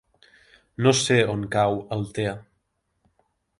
No sé on cau Altea.